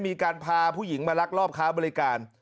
มีการพาผู้หญิงมาลักลอบค้าบริการ